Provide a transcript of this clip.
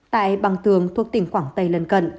tại bằng tường thuộc tỉnh quảng tây lần gần